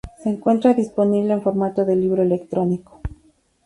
Se encuentra disponible en formato de libro electrónico.